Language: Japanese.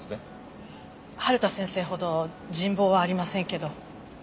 春田先生ほど人望はありませんけど。